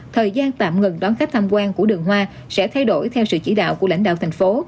thời gian tạm ngừng đón khách tham quan của đường hoa sẽ thay đổi theo sự chỉ đạo của lãnh đạo thành phố